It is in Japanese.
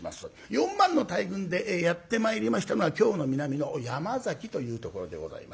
４万の大軍でやって参りましたのは京の南の山崎というところでございます。